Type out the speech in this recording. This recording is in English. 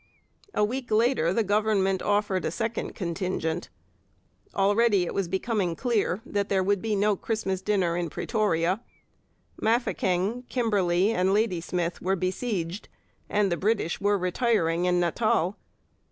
A week later the Government offered a second contingent. Already it was becoming clear that there would be no 'Christmas dinner in Pretoria.' Mafeking, Kimberley, and Ladysmith were besieged, and the British were retiring in Natal.